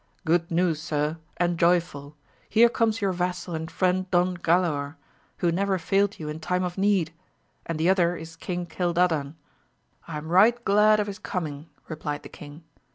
Good news sir and AMADIS OF GAUL 177 joyful ! here comes your vassal and friend Don Galaor, who never failed you in time of need, and the other is King Cildadan. I am right glad of his coming, replied the king.